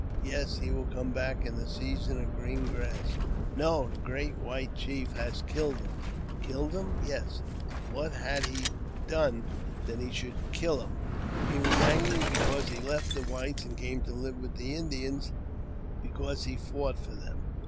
^Yes, he will come back in the season of green grass." No, the great white chief has killed him." "Killed him!" '' Yes." ".What had he done that he should kill him ?" I 324 AUTOBIOGBAPHY OF "He was angry because he left the whites and came to Uv< with the Indians — because he fought for them."